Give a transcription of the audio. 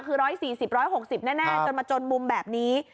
คือ๑๔๐๑๖๐แน่จนมาจนมุมแบบนี้